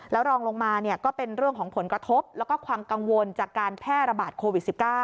แล้วรองลงมาก็เป็นเรื่องของผลกระทบแล้วก็ความกังวลจากการแพร่ระบาดโควิด๑๙